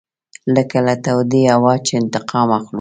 لکه له تودې هوا چې انتقام اخلو.